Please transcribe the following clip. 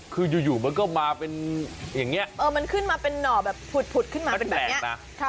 คืออยู่มันก็มาเป็นอย่างนี้มันขึ้นมาเป็นหน่อแบบผุดขึ้นมาเป็นแบบนี้นะ